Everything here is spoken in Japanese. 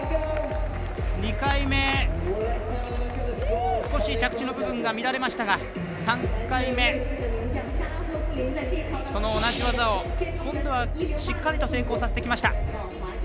２回目、少し着地の部分が乱れましたが３回目、その同じ技を今度はしっかりと成功させてきました。